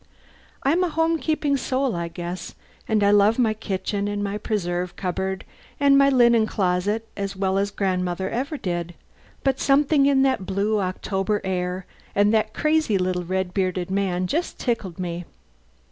I'm a home keeping soul, I guess, and I love my kitchen and my preserve cupboard and my linen closet as well as grandmother ever did, but something in that blue October air and that crazy little red bearded man just tickled me.